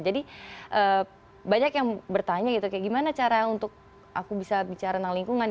jadi banyak yang bertanya gitu kayak gimana cara untuk aku bisa bicara tentang lingkungan